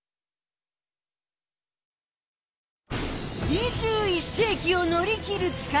２１世きを乗り切る力。